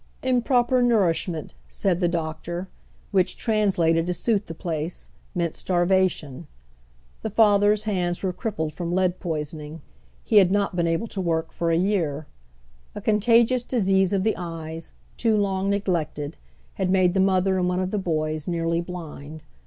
" Improper nour ishment," said the doctor, which, translated to suit the place, meant starvation. The father's hands were crip oyGooglc THE COMMON HERD. 169 pled from lead poisoning. He had not been able to work for a year. A contagious disease of the eyes, too long neg lected, had made the mother and one of the boys nearly blind.